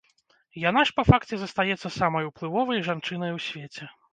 Яна ж, па факце, застаецца самай уплывовай жанчынай у свеце.